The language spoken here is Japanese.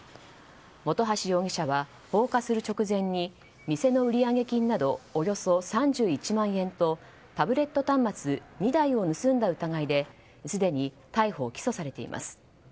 本橋容疑者は放火する直前に店の売上金などおよそ３１万円とタブレット端末２台を盗んだ疑いですでに逮捕・起訴されています。